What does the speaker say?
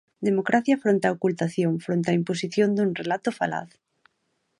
Democracia fronte á ocultación, fronte á imposición dun relato falaz.